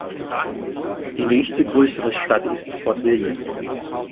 Die nächste größere Stadt ist Fort William.